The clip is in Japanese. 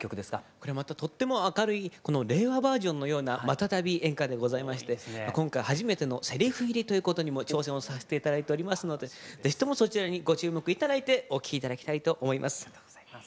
これまたとっても明るい令和バージョンのような股旅演歌でございまして今回初めてのセリフ入りということにも挑戦をさせて頂いておりますのでぜひともそちらにご注目頂いてお聴き頂きたいと思います。